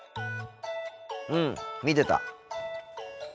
うん見てた。